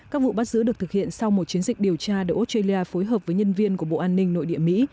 các vụ bắt giữ được thực hiện sau một chiến dịch điều tra để australia phối hợp với nhân viên của bộ an ninh nội địa mỹ